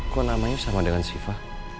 kok namanya sama dengan siva